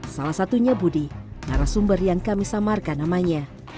salah satunya budi narasumber yang kami samarkan namanya